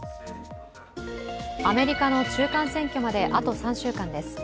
アメリカの中間選挙まであと３週間です。